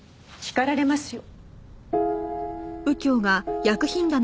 叱られますよ。